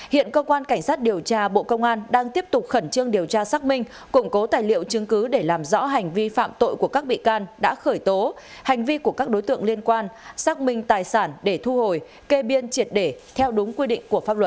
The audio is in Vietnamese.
hiện cơ quan cảnh sát điều tra bộ công an đang tiếp tục khẩn trương điều tra xác minh củng cố tài liệu chứng cứ để làm rõ hành vi phạm tội của các bị can đã khởi tố hành vi của các đối tượng liên quan xác minh tài sản để thu hồi kê biên triệt để theo đúng quy định của pháp luật